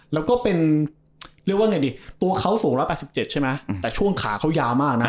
แล้วก็เป็นเรียกว่าไงดีตัวเขาสูง๑๘๗ใช่ไหมแต่ช่วงขาเขายาวมากนะ